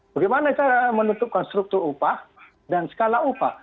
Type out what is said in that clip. bagaimana cara menutupkan struktur upah dan skala upah